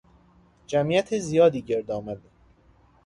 جمعیت زیادی گرد آمد.